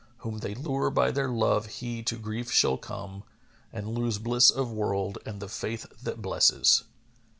Whom they lure by their love he to grief shall come * And lose bliss of world and the Faith that blesses."